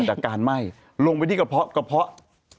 จากการไหม้ลงไปที่กระเพาะ